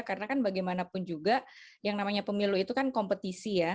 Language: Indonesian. karena kan bagaimanapun juga yang namanya pemilu itu kan kompetisi ya